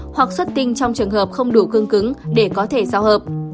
hoặc xuất tinh trong trường hợp không đủ cương cứng để có thể giao hợp